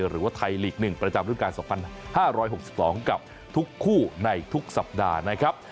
หรือว่าไทยลีก๑ประจำรุ่นการ๒๕๖๒กับทุกคู่ในทุกสัปดาห์นะครับ